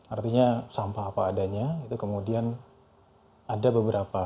artinya sampah apa adanya itu kemudian ada beberapa